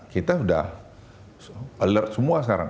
kita sudah alert semua sekarang